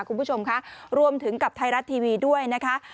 คุณผู้ชมคะรวมถึงกับไทยรัฐทีวีด้วยนะคะ